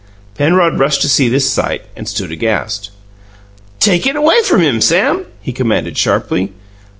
Penrod rushed to see this sight, and stood aghast. "Take it away from him, Sam!" he commanded sharply.